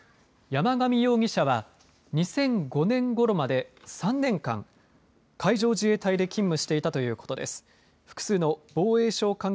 山上容疑者は２００５年ごろまで３年間、海上自衛隊で勤務していたということです。